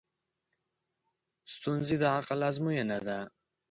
ستونزې د عقل ازموینه ده.